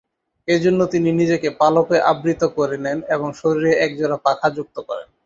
এজন্য তিনি নিজেকে পালকে আবৃত করে নেন এবং শরীরে একজোড়া পাখা যুক্ত করেন।